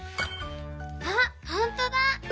あほんとだ！